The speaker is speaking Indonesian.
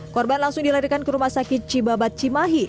korban langsung dilarikan ke rumah sakit cibabat cimahi